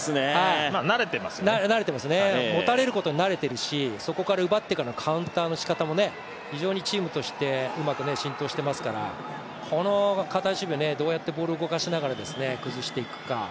慣れてますね、持たれることに慣れてますし、やはりそこから奪ってからのカウンターのしかたも、非常にチームとしてうまく浸透していますからこの堅い守備をどうやってボールを動かしながら崩していくか。